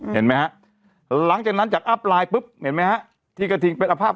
เห็นไหมฮะหลังจากนั้นจากอัพไลน์ปุ๊บเห็นไหมฮะที่กระทิงเป็นอภาพ